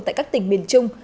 tại các tỉnh miền trung